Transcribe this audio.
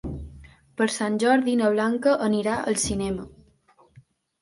Per Sant Jordi na Blanca anirà al cinema.